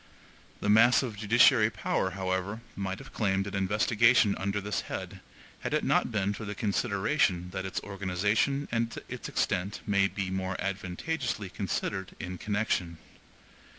The mass of judiciary power, however, might have claimed an investigation under this head, had it not been for the consideration that its organization and its extent may be more advantageously considered in connection.